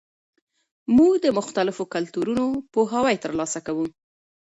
موږ د مختلفو کلتورونو پوهاوی ترلاسه کوو.